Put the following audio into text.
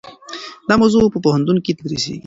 دا موضوع په پوهنتون کې تدریسیږي.